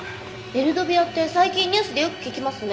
エルドビアって最近ニュースでよく聞きますね。